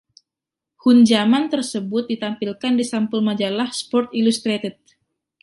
Hunjaman tersebut ditampilkan di sampul majalah "Sports Illustrated".